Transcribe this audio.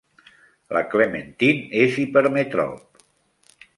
La Clementine és hipermetrop.